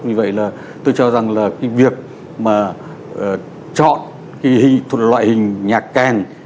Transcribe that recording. vì vậy là tôi cho rằng là cái việc mà chọn cái loại hình nhạc kèn